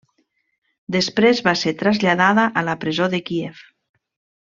Després va ser traslladada a la presó de Kíev.